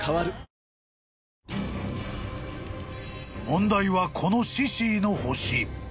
［問題はこのシシィの星］